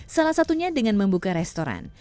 salah satunya dengan membuka restoran